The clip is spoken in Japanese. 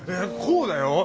こうだよ。